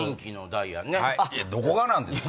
どこがなんですか？